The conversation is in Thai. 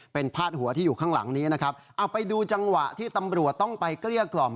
เป็นพาดหัวที่อยู่ข้างหลังนี้นะครับเอาไปดูจังหวะที่ตำรวจต้องไปเกลี้ยกล่อม